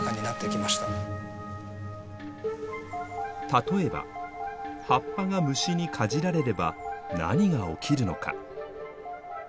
例えば葉っぱが虫にかじられれば何が起きるのか。